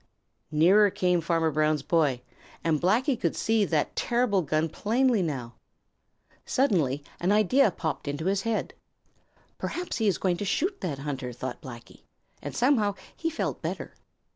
Nearer came Farmer Brown's boy, and Blacky could see that terrible gun plainly now. Suddenly an idea popped into his head. "Perhaps he is going to shoot that hunter!" thought Blacky, and somehow he felt better.